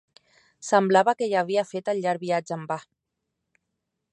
Semblava que havia fet el llarg viatge en va.